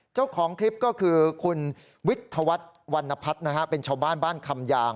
เจ้าของคลิปก็คือคุณวิทธวรรษวรรณพัฒนะฮะเป็นชาวบ้านบ้านคำยาม